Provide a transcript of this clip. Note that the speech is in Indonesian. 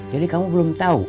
jadi kamu belum tau